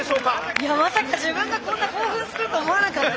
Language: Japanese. いやまさか自分がこんな興奮すると思わなかったですね。